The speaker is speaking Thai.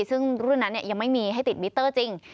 ซึ่งรุ่นนั้นยังไม่มีให้ติดมิเตอร์จริง